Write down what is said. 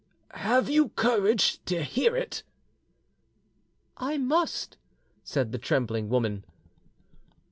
"Have you courage to hear it?" "I must," said the trembling woman.